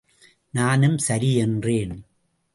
நானும் சரி என்றேன்.